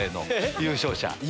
優勝者？